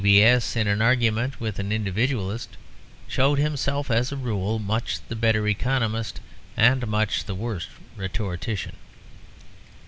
G. B. S. in argument with an individualist showed himself, as a rule, much the better economist and much the worse rhetorician.